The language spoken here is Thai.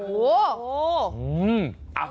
โอ้โห